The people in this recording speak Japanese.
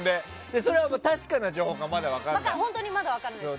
それが確かな情報かまだ分からないけど。